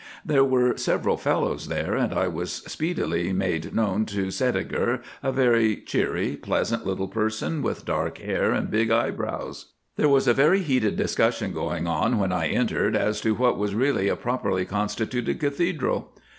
There were several fellows there, and I was speedily made known to Sædeger, a very cheery, pleasant little person, with dark hair and big eyebrows. There was a very heated discussion going on when I entered as to what was really a properly constituted Cathedral.